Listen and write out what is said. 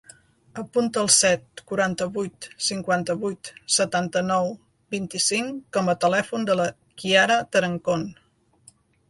Apunta el set, quaranta-vuit, cinquanta-vuit, setanta-nou, vint-i-cinc com a telèfon de la Chiara Tarancon.